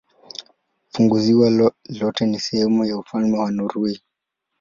Funguvisiwa lote ni sehemu ya ufalme wa Norwei.